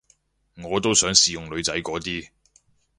我都想試用女仔嗰啲